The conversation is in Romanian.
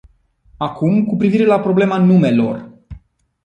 Acum, cu privire la problema numelor.